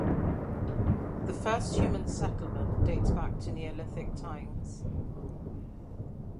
The first human settlement dates back to Neolithic times.